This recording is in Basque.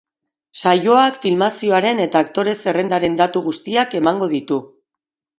Saioak filmazioaren eta aktore zerrendaren datu guztiak emango ditu.